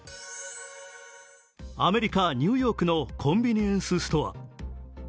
アメリカ・ニューヨークのコンビニエンスストア。